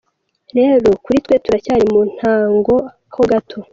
Rero kuri twe, turacyari mu ntango ho gato.